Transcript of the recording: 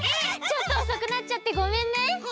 ちょっとおそくなっちゃってごめんね。